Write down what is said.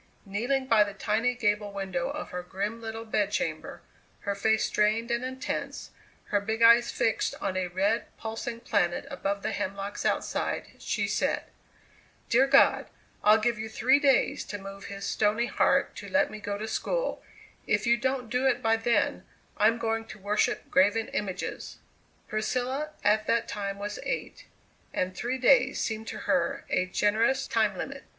Kneeling by the tiny gable window of her grim little bedchamber, her face strained and intense, her big eyes fixed on a red, pulsing planet above the hemlocks outside, she said: "Dear God, I'll give you three days to move his stony heart to let me go to school; if you don't do it by then, I'm going to worship graven images!" Priscilla at that time was eight, and three days seemed to her a generous time limit.